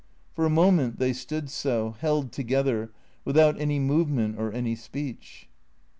For a moment they stood so, held together, with out any movement or any speech.